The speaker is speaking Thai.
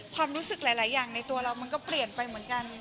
ความรู้สึกหลายอย่างในตัวเรามันก็เปลี่ยนไปเหมือนกัน